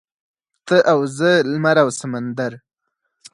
ته او زه لمر او سمندر.